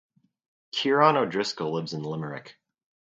Ciaran O’Driscoll lives in Limerick.